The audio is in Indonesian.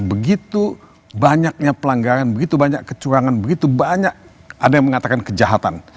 begitu banyaknya pelanggaran begitu banyak kecurangan begitu banyak ada yang mengatakan kejahatan